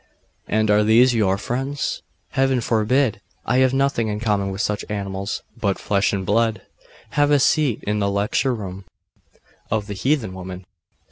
'And are these your friends?' 'Heaven forbid! I have nothing in common with such animals but flesh and blood, and a seat in the lecture room!' 'Of the heathen woman?